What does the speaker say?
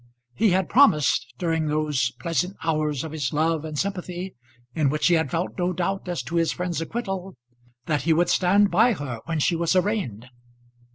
He had promised, during those pleasant hours of his love and sympathy in which he had felt no doubt as to his friend's acquittal, that he would stand by her when she was arraigned.